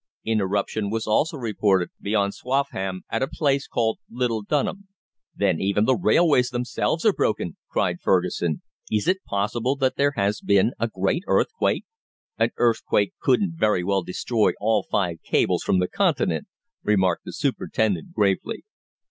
Interruption was also reported beyond Swaffham, at a place called Little Dunham. "Then even the railways themselves are broken!" cried Fergusson. "Is it possible that there has been a great earthquake?" "An earthquake couldn't very well destroy all five cables from the Continent," remarked the superintendent gravely.